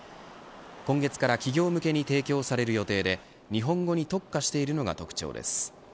今月から企業向けに提供される予定で日本語に特化しているのが特徴です。